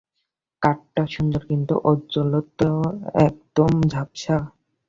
কাটটা সুন্দর, কিন্তু ঔজ্জ্বল্যতা একদম ঝাপসা।